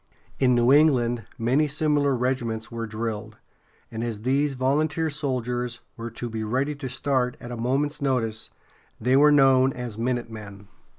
In New England many similar regiments were drilled, and as these volunteer soldiers were to be ready to start at a moment's notice, they were known as "minutemen."